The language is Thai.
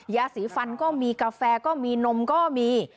ยาสีฟันก็มีกาแฟก็มีนมก็มี